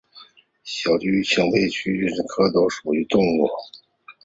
小鼩鼱为鼩鼱科鼩鼱属的动物。